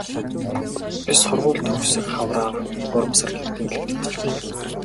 Би сургууль төгсөх хавраа гурван сар хэртэй эмнэлэгт хэвтэж билээ.